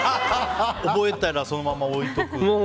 覚えてたらそのまま置いておく？